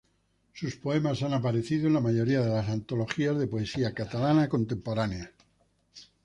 Sus poemas han aparecido en la mayoría de las antologías de poesía catalana contemporánea.